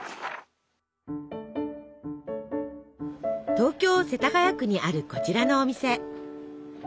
東京世田谷区にあるこちらのお店。